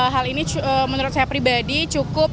hal ini menurut saya pribadi cukup